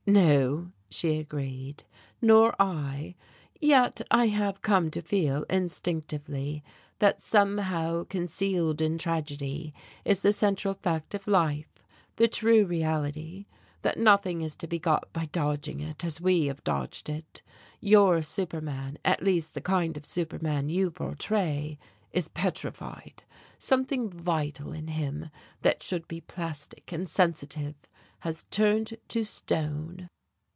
"No," she agreed, "nor I. Yet I have come to feel, instinctively, that somehow concealed in tragedy is the central fact of life, the true reality, that nothing is to be got by dodging it, as we have dodged it. Your superman, at least the kind of superman you portray, is petrified. Something vital in him, that should be plastic and sensitive, has turned to stone."